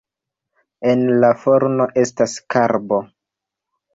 En la forno estas karbo.